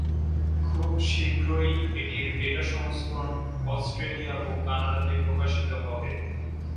খুব শীঘ্রই এটির বেটা সংস্করণ অস্ট্রেলিয়া ও কানাডাতে প্রকাশিত হবে।